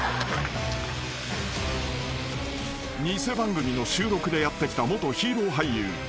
［偽番組の収録でやって来た元ヒーロー俳優］